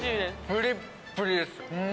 ぷりっぷりです。